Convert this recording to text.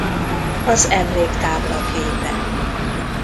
Az emléktábla képe.